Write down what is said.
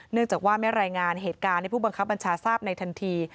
เนื่องจากว่ามีแรงงานเหตุการณ์ที่ผู้บังคับบัญชาทราบในทันที